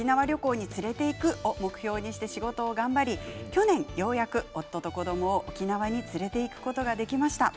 家族を沖縄旅行に連れて行くを目標にして仕事を頑張り去年ようやく夫と子どもを沖縄に連れていくことができました。